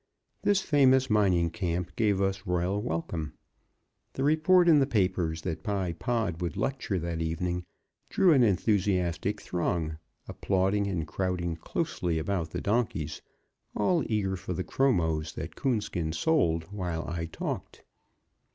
This famous mining camp gave us royal welcome. The report in the papers that Pye Pod would lecture that evening drew an enthusiastic throng, applauding and crowding closely about the donkeys, all eager for the chromos that Coonskin sold while I talked.